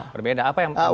berbeda apa yang berbeda